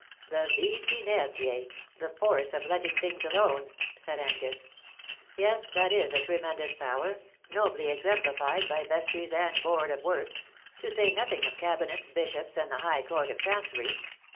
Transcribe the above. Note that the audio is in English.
" The vis inertice, the force of letting things alone," THE LOVELACE OF HIS DAY. 55 said Angus ;" yes, tliat is a tremendous power, nobly exemplified by vestries and boards of works — to say nothing of Cabinets, Bishops, and the High Court of Chancery